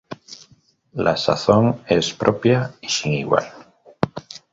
La sazón es propia y sin igual.